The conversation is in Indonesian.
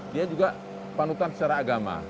dia juga panutan secara agama